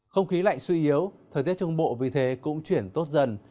không khí lạnh suy yếu thời tiết trung bộ vì thế cũng chuyển tốt dần